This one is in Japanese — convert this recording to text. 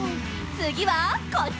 つぎはこっち！